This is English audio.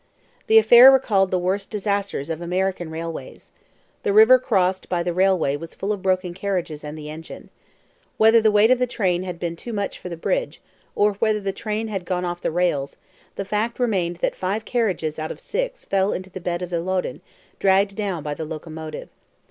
The affair recalled the worst disasters of American railways. The river crossed by the railway was full of broken carriages and the engine. Whether the weight of the train had been too much for the bridge, or whether the train had gone off the rails, the fact remained that five carriages out of six fell into the bed of the Loddon, dragged down by the locomotive.